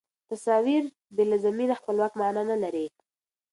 تصاویر بې له زمینه خپلواک معنا نه لري.